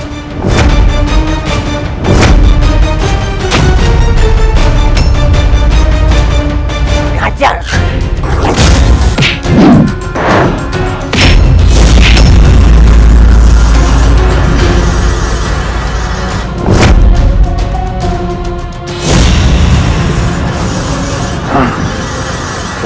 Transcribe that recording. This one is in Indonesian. kau tidak bisa menangkapku